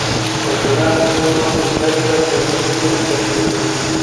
که جرئت وي نو زده کوونکی نه پټیږي.